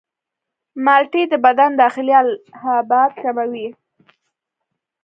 مالټې د بدن داخلي التهابات کموي.